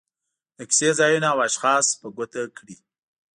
د کیسې ځایونه او اشخاص په ګوته کړي.